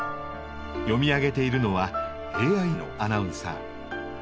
読み上げているのはＡＩのアナウンサー。